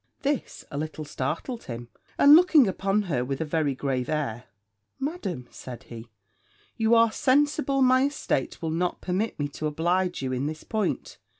This a little startled him; and, looking upon her with a very grave air 'Madam,' said he, 'you are sensible my estate will not permit me to oblige you in this point.'